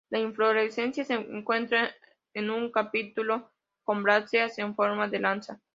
La inflorescencia se encuentra en un capítulo con brácteas en forma de lanza.